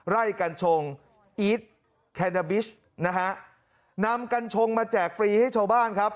ไร่กัญชงนะฮะนำกัญชงมาแจกฟรีให้ชาวบ้านครับ